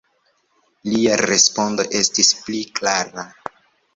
Lia respondo estis pli klara.